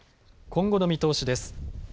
今後の見通しです。